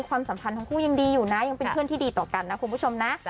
กลับมาคบกันมันก็ได้